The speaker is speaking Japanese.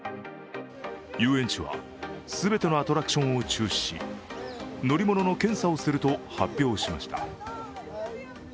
遊園地は全てのアトラクションを中止し、乗り物の検査をすると発表しました。